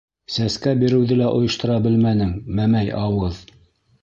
Сәскә биреүҙе лә ойоштора белмәнең, мәмәй ауыҙ!